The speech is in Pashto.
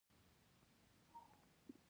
ستاسې باور يا ايمان هماغه وسيله ده.